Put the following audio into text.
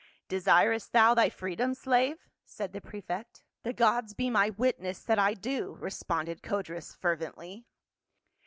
"Desirest thou thy freedom, slave?" said the prefect. "The gods be my witness that I do," responded Codrus fervently.